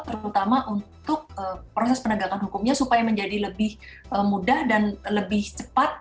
terutama untuk proses penegakan hukumnya supaya menjadi lebih mudah dan lebih cepat